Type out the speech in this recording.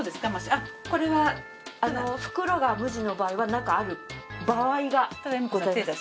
あっこれは袋が無地の場合は中ある場合がございます。